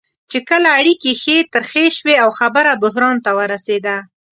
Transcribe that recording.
چې کله اړیکې ښې ترخې شوې او خبره بحران ته ورسېده.